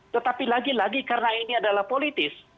tetapi lagi lagi karena ini adalah politis